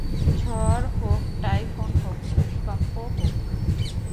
ঝড় হোক, টাইফুন হোক, ভূমিকম্প হোক।